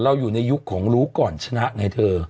อยู่ในยุคของรู้ก่อนชนะไงเธอ